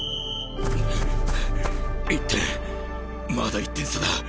１点まだ１点差だ。